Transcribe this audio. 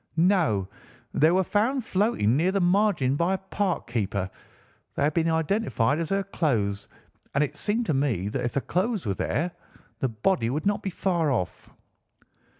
"No. They were found floating near the margin by a park keeper. They have been identified as her clothes, and it seemed to me that if the clothes were there the body would not be far off."